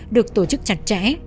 được tổ chức chặt chẽ